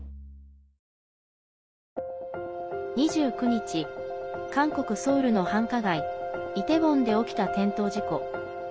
２９日、韓国ソウルの繁華街イテウォンで起きた転倒事故。